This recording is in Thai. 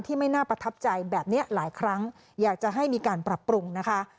ไม่น่าประทับใจแบบนี้หลายครั้งอยากจะให้มีการปรับปรุงนะคะ